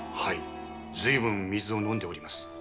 随分水を飲んでおります。